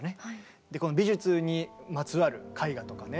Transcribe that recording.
この美術にまつわる絵画とかね